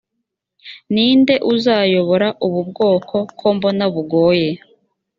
ninde uzayobora ubu ubwoko kombona bugoye